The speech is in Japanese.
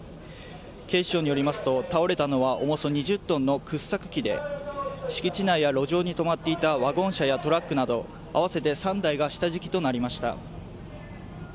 警視庁によりますと、倒れたのは重さ２０トンの掘削機で、敷地内や路上に止まっていたワゴン車やトラックなど合わせて３台が下敷きとなりました。